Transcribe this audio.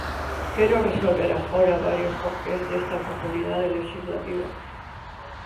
Quero resolver agora varios porqués desta oportunidade lexislativa.